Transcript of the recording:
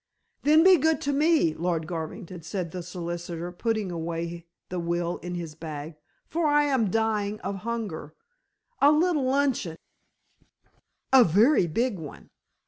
"Then be good to me, Lord Garvington," said the solicitor, putting away the will in his bag, "for I am dying of hunger. A little luncheon " "A very big one."